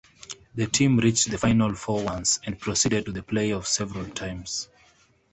The team reached the Final Four once and proceeded to the playoffs several times.